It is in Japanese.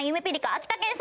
秋田県産